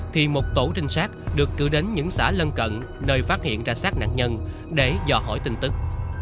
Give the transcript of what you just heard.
thì một tổ trinh sát được cử đến những xã lân cận nơi phát hiện ra sát nạn nhân để dò hỏi tin tức